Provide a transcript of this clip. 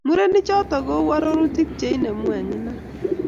Murenichoto kou arorutik che inemu eng inat